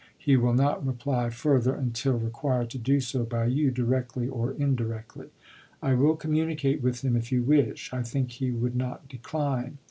He will not reply fur ther, until required to do so by you, directly or in directly. I will communicate with him if you wish. I think he would not decline.